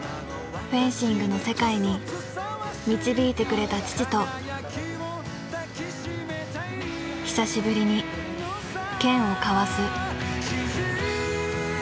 フェンシングの世界に導いてくれた父と久しぶりに剣を交わす。